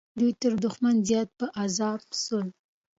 دوی تر دښمن زیات په عذاب سول.